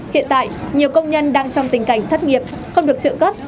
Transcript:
hiện tại nhiều công nhân đang trong tình cảnh thất nghiệp không được trợ cấp